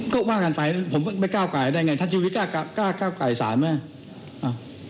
ก็ว่ากันไปผมไม่ก้าวไก่ได้ไงท่านชุวิตกล้าก้าวไก่สารไหม